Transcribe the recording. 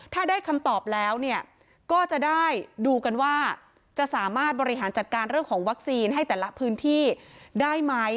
ถ้าได้คำตอบแล้วเนี่ยก็จะได้ดูกันว่าจะสามารถบริหารจัดการเรื่องของวัคซีนให้แต่ละพื้นที่ได้ไหม